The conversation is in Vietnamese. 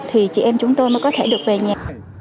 thì chị em chúng tôi mới có thể được về nhà